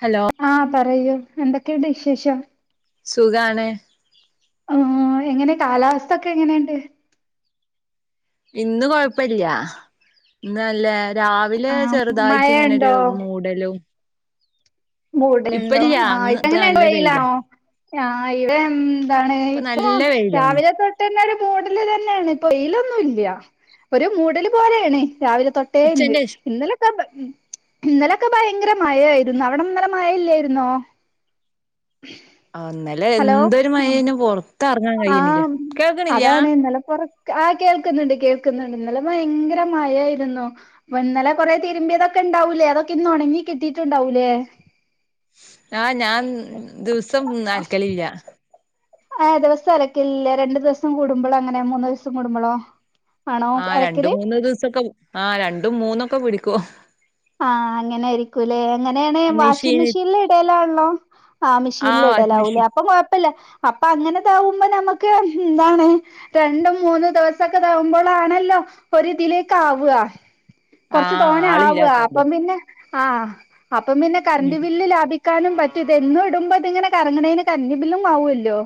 Hello. ആപറയ് എന്തൊക്കെയണ്ട് വിശേഷം? സുഖാണ്. ആ എങ്ങനെ കാലാവസ്ഥ ഒക്കെ എങ്ങനെയുണ്ട്? ഇന്ന് കൊഴപ്പില്യ ഇന്ന് നല്ല രാവിലെ ചെറുതായിട്ട് ഇങ്ങനെരു മഴയുണ്ടോ മൂടലും. മൂടലുണ്ടോ? ഇപ്പല്ല ആ ഇന്ന് ഇപ്പ എങ്ങനെയണ്ട് നല്ല വെയിലാ വെയിലാണോ? ആഇത് എന്താണ് ഇപ്പൊ ഇപ്പോ നല്ല വെയിലാണ് രാവിലെ തൊട്ട് പെട്ടന്ന്‌ ഒരു മൂടല് തന്നെയാണ്. ഇപ്പോവായില്ലോന്ന്നുമില്ല ഒരു മൂടല് പോലെയാണ് രാവിലെ തൊ ഉച്ചന്റെ ശേ ഇന്നലൊക്കെ ഇന്നലൊക്കെ ഭയങ്കമഴ ആയിരുന്നു ഇരുന്ന ഇവിടംന്നല മഴ ഇല്ലായിരുന്നോ? അ, ഇന്നലെ ഹലോ എന്തൊരു മഴ എനു പുറത്തു ആ അതാണ് ഇന്നലെപുറത്ത് ആ, കേൾക്കുന്നുണ്ട്, കേൾക്കുന്നുണ്ട്, ഇന്നലെ ഭയങ്കര മഴ യായിരുന്നു. വന്നാലെ കുറെ തിരുമ്പിിയ ഇതൊക്കെ ഉണ്ടവൂേലേ അതൊെക്കെ ഇന്ന്ണങ്ങി കിട്ടിട്ടുണ്ടാവൂലേ! ആ, ഞാൻ ദിവസം അലക്കിലില്ല. അ ദിവസം അലക്കില്ലേലെ? രണ്ട് ദിവസം കൂടുമ്പോളോ അങ്ങനെ മൂന്ന് ദിവസം കൂടുമ്പോളോ ആ രണ്ട മൂന്ന ദിവസൊക്കെ ആ രണ്ടും മൂന്നൊക്കെ പിടിക്കും. ആ, അങ്ങനെ ആയിരിക്കൂല്ലേ. എങ്ങനെയണ് വാഷിംഗ മെഷീന് മെഷീനിൽ ഇടലാണോ? ആമെഷീനൽ ആഹ് വാഷിംഗ് ഇടലാവൂലേ, മെഷീൻ അപ്പൊ കൊഴപ്പില്ല അപ്പൊ അങ്ങനെതാവുമ്പോ നമുക്ക് ഇതാണ്. രണ്ടും മൂന്നും ദിവസൊക്കെ തകുമ്പോൾാണല്ലോ ഒരിതിലേക്ക് ആവാ കുറച്ച് ആഹ് തോന്ന ആവാ, ആളില്ലാത്തോണ്ട് അപ്പം പിന്നെ കറണ്ട് ഉം ബില്ല് ലാഭിക്ക ക്കാനും പറ്റൂത്. എന്നും ഇടുമ്പോ അതിങ്ങനെ കറങ്ങണേന് കറണ്ടും ബില്ലും ആവുല്ലോ.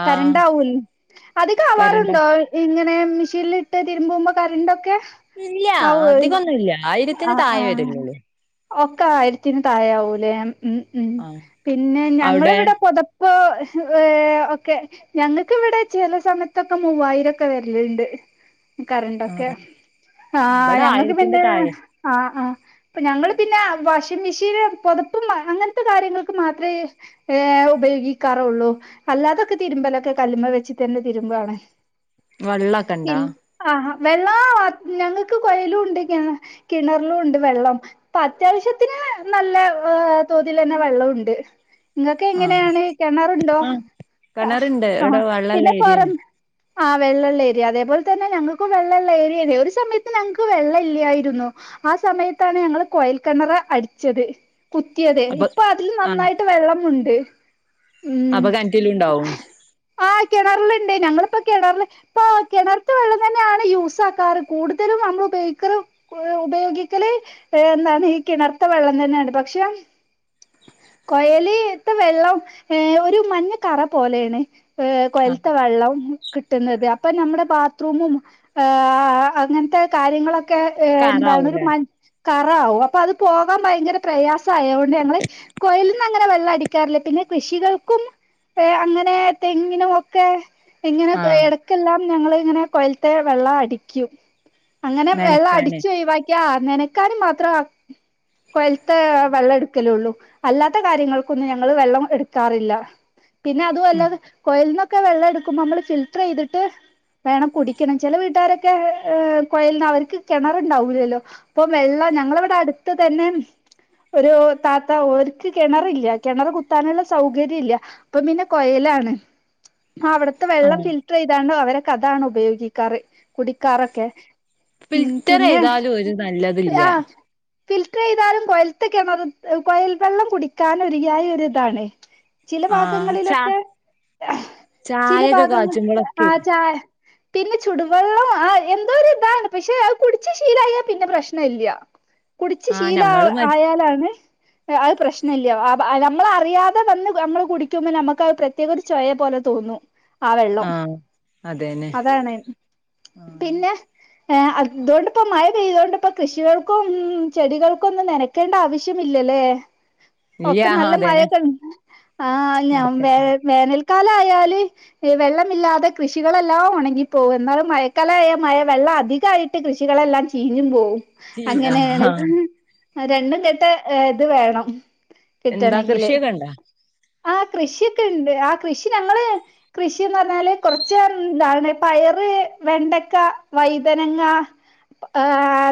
ആഹ് കറണ്ട് ആവും. അതികെ കരണ്ട ആവാറുണ്ടോ? ഇങ്ങനെ മെഷീനിലിട്ട് തിരുമ്പുമ്പോ കറണ്ടേക്കെ ഇല്ല അധികൊന്നുല്ല ആയിരത്തിന് ആഹ് താഴ ആഹ് വരലുള്ളൂ. ഒക്കെ ആയിരത്തിന് താഴെ ആവൂലേ, ഉം ഉം ആഹ് പിന്നെ ഞങ്ങൾ അവിടെ ഇവിടെ പൊത പ്പോ ഏ ഒക്കെ. ഞങ്ങൾക്ക് ഇവിടെ ചില സമയത്തൊക്കെ മൂവായിരംക്കെ വരലുണ്ട്. കറണ്ടൊക്കെ ആഹ് ആ ഇവിടെ ഞങ്ങൾക്ക് ആയിരത്തിന്റെ പിന്നെ താഴെ ആ, ആ ഞങ്ങൾ പിന്നെ വാശിങ് മെഷീന് പുതപ്പും അങ്ങനത്തെ കാര്യങ്ങൾക്ക് മാത്ര ഏ ഉപയോഗിക്കാറുള്ളൂ. അല്ലാതൊക്കെ തിരുമ്പല്ലൊക്കെ കല്ലുമ വെച്ചി തന്നെ തിരുമ്പാണ്. വെള്ളൊക്കെണ്ടാ? ആ, വെള്ള ഞങ്ങൾക്ക് കൊയയിലും ഉണ്ട്, കി കിണറിലും ഉണ്ട് വെള്ളം. അത്യാവശ്യത്തിന് നല്ല തോതിൽ തന്നെ വെള്ളംണ്ട്. ഇങ്ങക്ക് ആഹ് എങ്ങനെയാണ് കിണറുണ്ടോ? ആഹ് കിണറുണ്ട് ആ, ഇവിടെ വെള്ളള്ള പിന്നെ പൊറം ഏരിയാണ് ആ, വെളളല്ലേ രിയ അതേപോലെ തന്നെ ഞങ്ങൾക്കും വെള്ളല്ലേ ഏരിയാണ്. ഒരു സമയത്ത് ഞങ്ങൾക്ക് വെള്ള ഇല്ലായിരുന്നു. ആ, സമയത്താണ് ഞങ്ങൾ കോയൽക്കിണർ അടിച്ചത്. കുത്തിയത്. അപ്പൊ ഇപ്പോ അതിൽ നന്നായിട്ട് വെള്ളമുണ്ട്. അപ്പോ കിണറ്റിൽ ഉണ്ടാവും. ആ, കിണറിലുണ്ട് ഞങ്ങളിപ്പോ കിണറില് ഇപ്പോ കിണർത്ത വെള്ളം തന്നെയാണ് യൂസ് ആക്കാറ്, കൂടുതലും നമ്മളൾ ഉഭയോഗികാർ ഉപഭ യോഗിക്കൽ എന്താണ് ഈ കിണർ തേയ് വെള്ളം തന്നെയാണ് പക്ഷേ കൊയലിത്തെ വെള്ളം ഏ ഒരു മഞ്ഞ കറ പോലെണ് ഏഹ് കൊയൽതെ വെള്ളം കിട്ടുന്നത് അപ്പൊ നമ്മുടെ ബാത്ത്റൂമും ആഹ് അങ്ങനത്തെ കാര്യങ്ങളൊക്കെ എഹ് എന്താണ് ഒരു കറാവൂലേ മ കറാകും അപ്പൊ അത് പോകാൻ ഭയങ്കര പ്രയാസ ആയോണ്ട് ഞങ്ങള് കോയലിൽ നിന്ന അങ്ങനെ വെള്ളം അടിക്കാറില്ല പിന്നെ കൃഷികൾക്കും എഹ് അങ്ങനെ തെങ്ങിനും ഒക്കെ ഇങ്ങനെ ആഹ് ഇടക്കെല്ലാം ഞങ്ങൾ ഇങ്ങനെ കൊയലത്തെ വെള്ളം അടിക്കും അങ്ങനെ വെള്ളം അടി നനക്കാന് വാക്കിയ നനക്കാൻ മാത്രം കൊയലത്തെ വെള്ളം എടുക്കലുള്ളൂ അല്ലാത്ത കാര്യങ്ങൾക്കൊന്നും ഞങ്ങള് വെള്ളം എടുക്കാറില്ല പിന്നെ അതുവല്ലാ ഉം കോയൽ നിന്നൊക്കെ വെള്ളം എടുക്കുമ്പോ നമ്മള് ഫിൽട്ടർ യ്തിട്ട് വേണം കുടിക്കണം ചില വീട്ടുകാരൊക്കെ് കൊയലിന് അവർക്ക് കിണ ണ്ടാവില്ലല്ലോ ഇപ്പം വെള്ള ഞങ്ങളവിടെ അടുത്ത് തന്നെ ഒരു താത്ത ഒർക്ക് കിണറില്ല കിണർ കുത്താനുള്ള സൗകര്യം ഇല്ല അപ്പൊ പിന്നെ കൊയലാണ് അവിടെ ഇത്ത വെള്ളം ആഹ് ഫിൽറ്റർ യ്താണ്ട് അവരെക്കതാണ് ഉപയോഗിക്കാറ് കുടിക്കാറൊക്കെ ഉം ഫിൽറ്റർ പിന്നെ ചെയ്താലും ഒരു നല്ലതില്ല ആ ഫിൽറ്റർ യ്താലും കൊയൽത്ത കിണർ കൊയൽ വെള്ളം കുടിക്കാൻ ഒരുയായി ഇതാണ് ചില ആഹ് ച ഭാഗങ്ങളിലൊക്കെ ചില ചായൊക്കെ ഭാഗങ്ങ ആ കാച്ചുമ്പോളൊക്കെ ചായ പിന്നെ ചുടുവെള്ളം ആ എന്തോ ഒരു ഇതാണ് പക്ഷെ കുടിച്ചു ശീലായാൽ പിന്നെ പ്രശ്ന ഇല്ല കുടിച്ചു ആഹ് ശീല ഞമ്മള് മ ആയാലാണ് അഹ് അത് പ്രശ്നം ഇല്ല നമ്മൾ അറിയാതെ വന്ന് നമ്മള് കുടിക്കുമ്പോൾ നമുക്ക് അത് പ്രത്യേക ചോയ പോലെ തോന്നുന്നു ആ വെള്ളം ആഹ് അതന്നെ അതാണ് ആഹ് പിന്നെ ഏ അട് ഇതുകൊണ്ടിപ്പോ മഴ പെയ്തോണ്ട് കൃഷികൾക്കും ഉം ചെടികൾക്കും ഒന്നും നനക്കേണ്ട ആവശ്യമില്ല ഇല്ലല്ലേ ഇല്ല ഒക്കെ ആഹ് നല്ല അതന്നെ മഴൊക്കെ ആ ഞാൻ വേ വേനൽക്കാലം ആയാല് വെള്ളമില്ലാതെ കൃഷികളെല്ലാം ഉണങ്ങിപ്പോകും എന്നാലും മയക്കാലമായ വെള്ളം അധികമായിട്ട് കൃഷികളെല്ലാം ചീഞ്ഞും പോവും അങ്ങനെയാണ് ആഹ് രണ്ടും കെട്ട ഇത് വേണം എന്താ കിട്ടണമെങ്കില് കൃഷിയൊക്കെ ഇണ്ടാ ആ കൃഷിയൊക്കെ ഉണ്ട് ആ കൃഷി ഞങ്ങള് കൃഷിന്ന് പറഞ് കൊറച്ച് ഇന്താണ് പയറ് വെണ്ടക്ക വൈതനങ്ങ ആ,,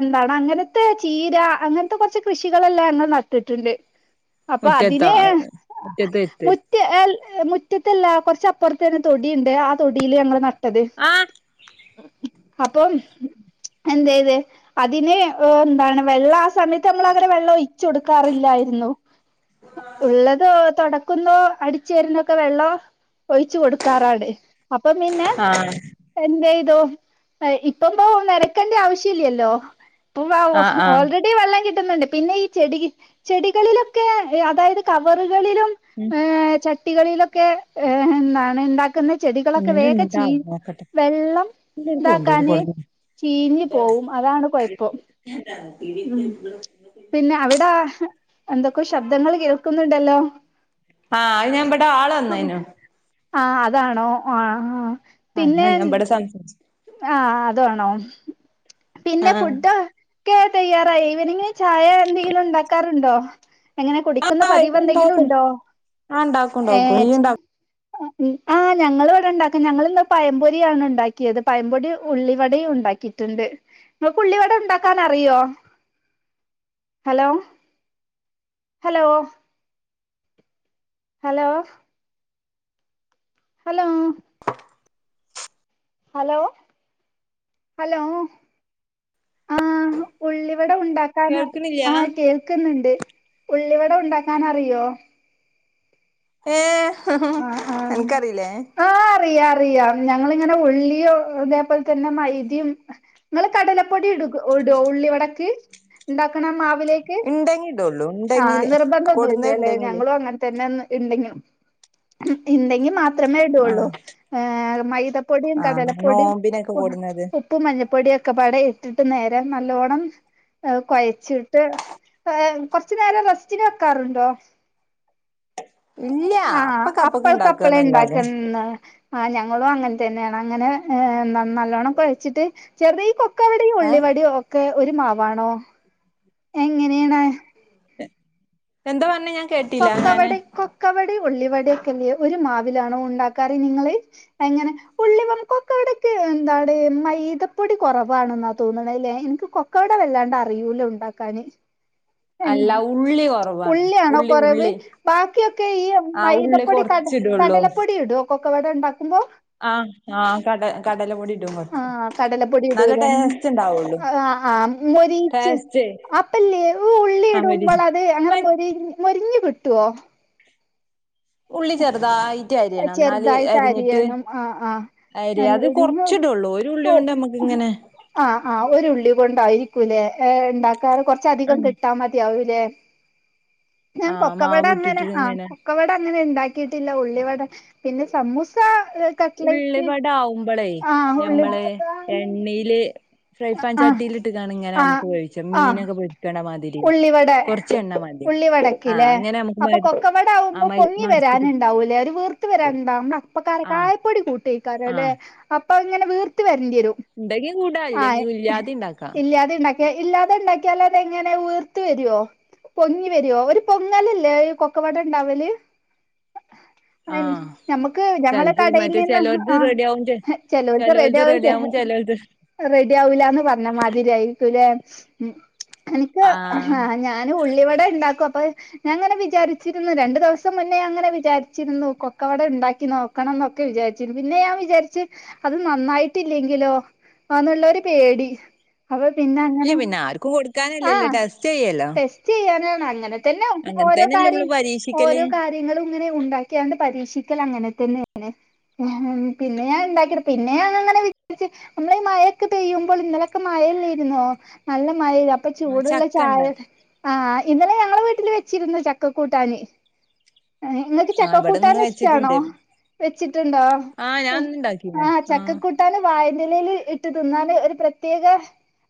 എന്താണ് അങ്ങനത്തെ ചീര അങ്ങനത്തെ കുറച്ച് കൃഷികളെല്ലാം ഞങ്ങൾ നട്ടിട്ടുണ്ട് അപ്പൊ മുറ്റത്താ അതിന് മുറ്റത്ത അടുത്ത് [inaudible] മുറ്റത്തല്ല കുറച്ചപ്പുറത്ത തന്നെ തൊടിയുണ്ട് ആ തൊടിൽ ഞങ്ങൾ ന- ആഹ് [unintelligible] അപ്പം എന്ത് ചെയത് അതിന് എന്താണ് വെള്ളം ആ സമയത്ത് നമ്മൾ വെള്ളം ഒഴിച്ച കൊടുക്കാറില്ലായിരുന്നു ഉള്ളതോ കൊടുക്കുമ്പോൾ അടിച്ചു തരുന്നൊക്കെ വെള്ളോ ഒഴിച്ചു കൊടുക്കാറാണ് അപ്പം പിന്നെ ആഹ എന്താ ഇതോ ഇപ്പം നനക്കെട്ടി ആവശ്യമില്ലല്ലോ ആഹ് ആഹ് [unintelligible] ടിവെള്ളം കിട്ടുന്നുണ്ട് പിന്നെ ഈ ചെടി ചെടികളിലൊക്കെ അതായത് കവറുകളിലും- ഉം ഏഹ് ചട്ടികളിലൊക്കെ എന്താണ് ഉണ്ടാ - ചെടികളൊക്കെ വേഗ ചീ- തൊണ്ണൂറ്ണ്ടാവോ നോക്കട്ടെ വെള്ളം ഇല്ലെനിക്ക് കൊണ്ടോയിന് ഇതാക്കാന് കൊട്ന്നീനി ചീഞ്ഞു പോവും അതാണ് കുഴപ്പം [unintelligible] പിന്നെ അവിട എന്തൊക്കെ ശബ്ദങ്ങള് കേൾക്കുന്നുണ്ടല്ലോ ആഹ് ഞാനിവിടെ ആള് വന്നീരുന്ന് ആഹ് അതാണോ ആഹ അല്ല ഞാൻ ഇബടെ സംസാര്ച്ച ആഹ് അതാണോ പിന്നെ ആഹ് ഫുഡ്ഡൊ- ക്കെ തയ്യാറായി ഈവനിംഗ് ചായ എന്തെങ്കിലും ഇണ്ടാക്കാറുണ്ടോ എങ്ങെനെ കുടിക്കുന്ന ആഹ് പതിവ് ഇണ്ടാക്കും എന്തെങ്കിലുണ്ടോ ആഹ് ഇണ്ടാക്കും ഇണ്ടാക്കും ഏഹ് ഇയ്യ് ച ഇണ്ടാ ആഹ് ഞങ്ങള് ഇവിടെ ഇണ്ടാക്കും ഞങ്ങള് ഇന്ന് പയംപൊരിയാണ് ഇണ്ടാ ക്ക്യെത് പഴംപൊടി ഉള്ളി വടയും ഇണ്ടാക്കീട്ടിണ്ട് ഇങ്ങക്ക് ഉള്ളിവടണ്ടാക്കാൻ അറിയോ hello hello hello hello hello hello ആഹ് ഉള്ളിവട ഉണ്ടാ കാനാ കേൾക്ക്ണില്ല ആഹ് കേൾക്ക്ന്നുണ്ട് ഉള്ളി വട ഉണ്ടാക്കാൻ അറിയോ ഏഹ് ആഹ് ആഹ് അൻക്കറീല്ലേ ആഹ് അറിയാ അറിയാ ഞങ്ങളിങ്ങനെ ഉള്ളിയൊ അതേപോൽതെന്നെ മൈദിം ഇങ്ങള് കടലപ്പൊടി ഇടു ഉടോ ഉള്ളി വടക്ക് ഇണ്ടാക്കിണ മാവിലേ ക് ഇണ്ടെങ്കി ഇടൊള്ളൂ ആഹ് ഇണ്ടെങ്കില് കൊടുന്നത് നിർബന്ധൊന്നുല്ല്യ ലേ ഇണ്ടെങ്കില് ഞങ്ങളും അങ്ങൻ തന്നെ ഇണ്ടെങ്കി ഇണ്ടെങ്കി മാ ത്രമേ ഇടൊള്ളൂ ആഹ് ഏഹ് മൈദപ്പൊടിം ആഹ് കടലപ്പൊടിം നോമ്പിനൊക്കെ കൊട്ന്നത് ഉ പ്പും മഞ്ഞപ്പൊടിയൊക്കെപ്പാടെ ഇട്ടിട്ട് നേരെ നല്ലോണം ഏഹ് കൊയച്ചിട്ട് ഏഹ് കുർച്ച്നേരം റെസ്റ്റിന് വക്കാറുണ്ടോ ഇല്ല ആഹ് അപ്പൊക്ക് അപ്പൊക്ക് അപ്പൾക്കപ്പളേ ഇണ്ടാക്കാന്നല്ലാതെ ഇണ്ടാക്കന്ന് ആഹ് ഞങ്ങളും അങ്ങൻ തന്ന്യാണ് അങ്ങനെ ഏഹ് ന നല്ലോണ്ണം കൊയ്ച്ചിട്ട് ചെറ്യെ കൊ- ക്കവടിം ഏഹ് ഉള്ളിവടിം ഒക്കെ ഒരു മാവാണോ എങ്ങനെയാണ് എന്താ പർഞ്ഞെ ഞാൻ കേട്ടില്ല ഞാന് കൊക്കവടെ കൊക്കവടി ഉള്ളിവടി ഒക്കെല്ലേ ഒരു മാവിലാണോ ഉണ്ടാക്കാറ് നിങ്ങള് എങ്ങനെ ഉള്ളിവ ഉം കൊക്കവടക്ക് എന്താണ് മൈദപ്പൊടി കൊറവാണ്ന്നാ തോന്നിണ ല്ലേ ഇൻക്ക് കൊക്കവട വല്ലാണ്ട് അറിയൂല ഉണ്ടാക്കാന് അല്ല ഉള്ളി കൊറവാണ് ഉള്ളി ഉ വ് ബാക്കിയൊക്കെ ഈ ഉള്ളി മൈദപ്പൊടി കട കൊറച്ചിടുള്ളൂ കടലപ്പൊടി ഇടോ കൊക്കവട ഇണ്ടാക്കുമ്പോ ആഹ് ആഹ് കട കടല പൊടി ഇടും കൊർച്ച് ആഹ് കടലപ്പൊടി ഇടൂലേ ഉം അ ആ ആഹ് മൊരീച് അ ആവര് ത് അങ്ങനെ മൊരി മൊരിഞ്ഞ് കിട്ട്വോ ഉള്ളി ചെറ്തായിട്ട് അരിയണം ഇന്നാല് ചെറുതായിട്ട് അരിഞ്ഞിട്ട് അരിയണം ആഹ് ആഹ് അരി അത് കൊർച്ചിടൊള്ളൂ ഒരു ഉള്ള്യോണ്ട് അമ്മക്ക് ഇങ്ങനെ ആഹ് ആഹ് ഒരുള്ളി കൊണ്ടായിരിക്കൂല്ലേ ഏഹ് ഇണ്ടാക്കാറ് കൊർ ച്ചധികം ഉം കിട്ടാ മതിയാവൂലേ ഞാൻ ആ കൊക്കവട മാവ് അങ്ങനെ ഇട്ടിട്ട് ആഹ് ഇങ്ങനെ കൊക്കവട അങ്ങനെ ഇണ്ടാ കീട്ടില്ല ഉള്ളി വട പിന്നെ സമൂസ കട്ട്ലൈറ്റ് ഉള്ളിവട ആവുമ്പളേ ആഹ് ഉള്ളി ഞമ്മള് എണ്ണീല് ഫ്രൈ ഫാൻ ആഹ് ചട്ടീലിട്ട് കാണിങ്ങനെ ആഹ് അമുക്കൊഴിച്ചാം മീനൊക്കെ പൊരിക്കിണെ മാതിരി കൊർ ഉള്ളിവടക്ക്ലേ മ അപ്പൊ കൊക്കവട ആ ആവുമ്പോ മ പൊങ്ങി മറിച്ചിട്ട് വരാനിണ്ടാവുലേ ഒരു വിർ ത്ത് വരാണ്ട നമ്മളപ്പക്കാര ആഹ് കായപ്പൊടി കൂട്ടേക്കാരോ ലേ ആഹ് അപ്പ ഇങ്ങനെ വീർത്ത വര്ണ്ട്യെരും ഇണ്ടെങ്കെ കൂട ആഹ് ഇല്ലാതെ ഇണ്ടാക്ക്യ ഇല്ലാതെ ഇണ്ടാക്ക്യാൽ അതെങ്ങനെ ഉ വീർത്ത് വെര്വോ പൊങ്ങി വെര്വോ ഒരു പൊങ്ങലല്ലേ കൊക്കവട ഇണ്ടാവല് മ്മ് അയ്ന് ആഹ് ഞമ്മക്ക് ഞങ്ങളെ ചെൽത് കടയിൽ മറ്റേ നിന്ന് ചെലോൽത് റെഡിയാവും ചെ ആഹ് റെഡി ചെലോൽത് റെഡിയാവും ആവും ചെലോൽത് റെഡി ആപൂലാന്ന് പറഞ്ഞ മാതിരി ആയിരിക്കുലേ എനിക്ക് ആഹ് ആ ഞ ആന് ഉള്ളിവട ഇണ്ടാക്കും അപ്പ ഞാൻ ഇങ്ങനെ വിചാരിച്ചിരുന്നു രണ്ടു ദിവസം മുന്നേ ഞാൻ ഇങ്ങനെ വിചാരിച്ചിരുന്നു കൊക്കവട ഇണ്ടാക്കി നോ ക്കണംന്നൊക്കെ വിചാരിച്ചിരു പിന്നെ ഞാൻ വിചാരിച്ച് അത് നന്നായിട്ടില്ലെങ്കിലോ ആന്ന്ള്ളൊരു പേടി അപ്പൊ പിന്നെ ഇല്ല അങ്ങനെ പിന്നെ ആർക്കും കൊടുക്കാനല്ലല്ലോ ആഹ് ടെസ്റ്റ് ചെയ്യല്ലോ ടേസ് റ്റിയ്യാനാണ് അങ്ങനെ തന്നെ ഓരോ അങ്ങൻത്തന്നെല്ലേ നമ്മള് കാര്യം പരീക്ഷിക്കല് ഓരോ കാര്യങ്ങളും ഇങ്ങനെ ഉണ്ടാ ക്ക്യാണ്ട് പരീക്ഷിക്കല് അങ്ങനെത്തന്നേണ് പിന്നെ ഞാൻ ഇണ്ടാക്കിയത് പിന്നെ ഞാന്ങ്ങനെ വി രിച്ച് നമ്മള് മയൊക്കെ പെയ്യുമ്പൾ ഇന്നലെക്കെ മഴല്ലര്ന്നോ നല്ല മഴയ്തു അപ്പൊ ആഹ് ചൂട്ള്ള ചക്കണ്ടോ ചായക്കെ ആഹ് ഇന്നലെ ഞങ്ങളെ വീട്ടില് വെച്ചിരുന്നു ചക്കക്കൂട്ടാന് ഹ് ഇങ്ങക്ക് ആഹ് ഇവിടെന്ന് ചക്കക്കൂട്ടാന് ഇഷ്ടാണോ വെച്ചിട്ടുണ്ട് വെച്ചിട്ടുണ്ടോ ആഹ് ഞാൻ ഇന്ന് ഇണ്ടാക്കീന് ആഹ് ചക്കക്കൂട്ടാന് വായൻ്റെലേല് ഇട്ട് തിന്നാന് ഒരു പ്രത്യേക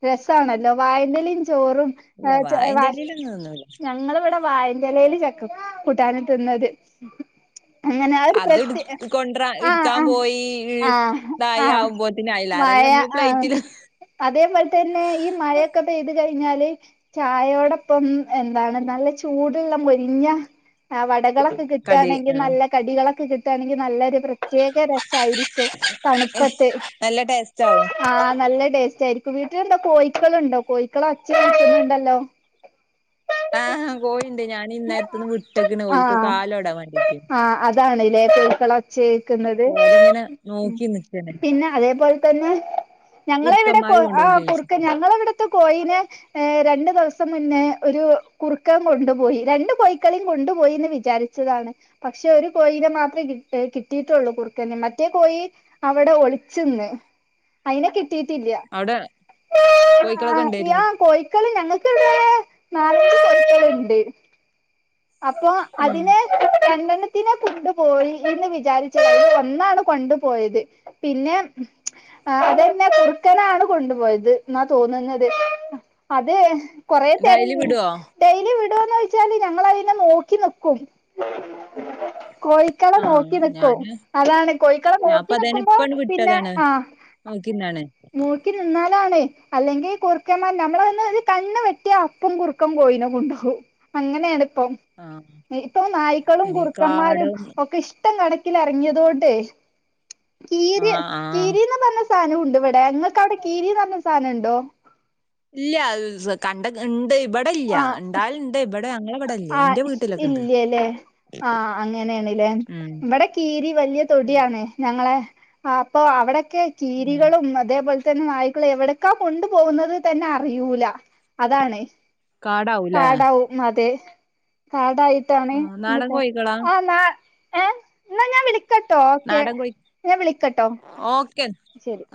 രസാണല്ലോ വായൻ്റെലിം ചോറും ഇല്ല്യ വായൻ്റെലേലൊന്നും തിന്നൂല ഞങ്ങള് ഇവടെ വായൻ്റെലേല് ചക്കക്കൂട്ടാന് തിന്നത് എങ്ങനെ അഹ് ഒരു അത് പ്രത്യേ എഹ് ഇട് കൊണ്ട്രാ ആഹ് ഇട്ക്കാൻ ആഹ് ആഹ് ആഹ് മഴ പിന്നയ്ലാറല്ലേ നമ്മള് ആഹ് പ്ലേറ്റില് അതേപോലെ തന്നെ ഈ മഴയൊക്കെ പെയ്തു കഴിഞ്ഞാല് ചായയോടൊപ്പം എന്താണ് നല്ല ചൂടുള്ള മൊരിഞ്ഞ ഏ വടകളൊക്കെ കടി കിട്ടാണെങ്കി ആഹ് നല്ല കടികളൊക്കെ കിട്ടാണെങ്കി നല്ലരു പ്ര ത്യേക രസായിരിക്കും തണുപ്പത്ത് നല്ല ടേസ്റ്റ് ആവും ആഹ് നല്ല ടേസ്റ്റ് ആയിരി വീട്ടിലെന്താ കോയ്ക്കള്ണ്ടോ കോയ്ക്കളെ ഒച്ച കേക്ക്ന്നുണ്ടല്ലോ ആഹ് കോയിണ്ട് ഞാൻ ഇന്നേരത്തൊന്ന് വിട്ടക്ക്ണ് ഓൽക്ക് കാലോടാൻ വേണ്ടീട്ട് ഇതാണ് ലേ കോയ്ക്കളെ ഒച്ചേക്ക്ന്നത് ഓലങ്ങനെ ഉം നോക്കി നിക്കാണ് പിന്നെ അതേപോലെ തന്നെ ഞങ്ങളെ ഇവിടെ കൊ കുറുക്കന്മാര് ആ കൊണ്ടോവും കുർക്കൻ ചെയ്യിച്ചിട്ട് ഞങ്ങളെവിടെ ത്തെ കോയീനെ ഏഹ് രണ്ടു ദിവസം മുന്നേ ഒരു കുറുക്കൻ കൊണ്ടുപോയി രണ്ട് കോയിക്കളിം കൊണ്ടുപോയീന്ന് വിചാരിച്ചതാണ് പക്ഷെ ഒരു കോയീനെ മാത്രേ കിട്ട് കിട്ടിയിട്ടൊള്ളൂ കുറുക്കന് മറ്റേ കോയി അവടെ ഒളിച്ച്ന്ന് അയിനെ കി ട്ടീറ്റില്ല്യ അവിടെ ആ കോയിക്കളൊക്കെ യാ ഇണ്ടേര്ന്നു കോയി ക്കള് ഞങ്ങക്കിവിടെ നാല [unintelligible] ക്കള്ണ്ട് അപ്പൊ ഉം അതിനെ രണ്ടെണ്ണത്തിനെ കൊണ്ടുപോയി എന്ന് വിചാരിച്ചത് അയ്ല് ഒന്നാണ് കൊണ്ടു പോയത്. പിന്നെ ആ അതന്നെ കുറുക്കനാണ് കൊണ്ടുപോയത് ന്നാ തോന്നുന്നത് അത് കൊറേ ഡയലി തെരഞ്ഞ് വിടോ ഡെയിലി വിടോന്ന് ഓയ്ച്ചാല് ഞങ്ങളത് നോക്കി നിക്കും കോയി ക്കളെ നോക്കി ആഹ് നിക്കും ഞാന് അതാണ് കോയ്ക്കളെ ഞാൻപ്പ നോക്കി അതേനെ നിക്കുമ്പോ ഇപ്പണ്ട് പിന്നെ വിട്ടതാണ് ആ നോക്കിന്നാണ്. നോക്കി നിന്നാലാണ് അല്ലെങ്കി കുറുക്കന്മാ നമ്മള് ഒന്ന് ഇത് കണ്ണ് വെട്ടിയാ അപ്പം കുറുക്കൻ കോയിനെ കൊണ്ടോവും. അങ്ങനേണിപ്പം ആഹ് ഇപ്പൊ നായ്ക്കളും ഇനി കുറുക്കന്മാരും കാടം ഒക്കെ ഇഷ് ട്ടം കണക്കിലെറങ്ങിയതോണ്ടെ കീര് ആഹ് ആഹ് കീരിന്ന് പറഞ്ഞ സ സാനുണ്ട് ഇവടെ ഇങ്ങക്ക് അവടെ കീരീന്ന് പറഞ്ഞ സാനം ഇണ്ടോ? ഇല്ല സ് കണ്ട ഇണ്ട് ഇബടെല്ല്യ ആഹ് ഇണ്ടാല്ണ്ട് ഇബടെ ഞങ്ങളെ ഇവടെല് ആഹ് ഇശ് ഇല്യ ലേ ആഹ് അങ്ങനേണ്ലേ ഉം ഇവടെ കീരി വല്യ തൊടിയാണ് ഞങ്ങളെ ആ അപ്പൊ അവടെക്കെ ഉം കീരികളും അതേപോൽ തന്നെ നായിക്കളും എവടക്കാ കൊണ്ടു പോകുന്നത് തന്നെ അറിയൂല അതാണ് കാടാവൂലേ കാടാവും അതെ കാടായിട്ടാണ് ആഹ് നാടൻ [unintelligible] കോയിക്കളാ ആ ന്നാ ഏ ഇന്നാ ഞാൻ വിളി ക്കട്ടോ ഓക്കെ നാടൻ കോയി ഞാൻ വിളിക്കട്ടോ? [inaudible] ശരി